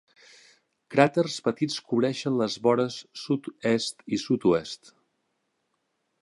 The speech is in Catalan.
Cràters petits cobreixen les vores sud-est i sud-oest.